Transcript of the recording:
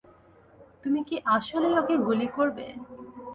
তুমি কি আসলেই ওকে গুলি করবে?